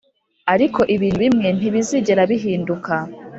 ariko ibintu bimwe ntibizigera bihinduka